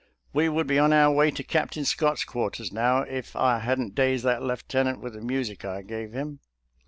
We would be on our way to Captain Scott's quarters now if I hadn't dazed that lieu tenant with the music I gave him."